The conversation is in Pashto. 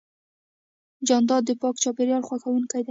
جانداد د پاک چاپېریال خوښوونکی دی.